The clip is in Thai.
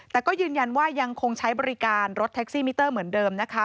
แต่ก็ยืนยันว่ายังคงใช้บริการรถแท็กซี่มิเตอร์เหมือนเดิมนะคะ